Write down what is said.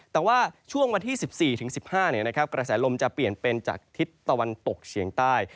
แต่ว่าช่วงวันที่๑๔๑๕กระแสลมจะเปลี่ยนเป็นจากทิศตะวันตกเฉียงใต้